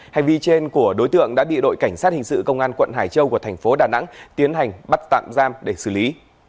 hành vi trên của đối tượng đã bị đội cảnh sát hình sự công an quận hải châu của thành phố đà nẵng tiến hành bắt tạm giam để xử lý